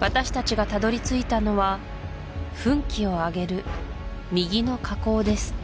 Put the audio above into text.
私達がたどり着いたのは噴気を上げる右の火口です